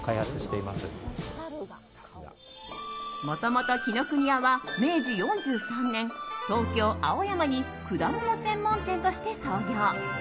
もともと紀ノ国屋は明治４３年東京・青山に果物専門店として創業。